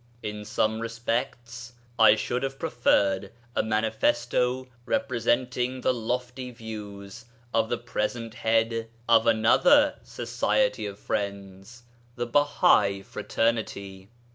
In some respects I should have preferred a Manifesto representing the lofty views of the present Head of another Society of Friends the Bahai Fraternity.